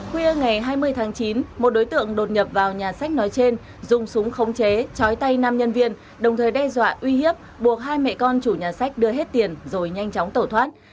khuya ngày hai mươi tháng chín một đối tượng đột nhập vào nhà sách nói trên dùng súng khống chế chói tay năm nhân viên đồng thời đe dọa uy hiếp buộc hai mẹ con chủ nhà sách đưa hết tiền rồi nhanh chóng tẩu thoát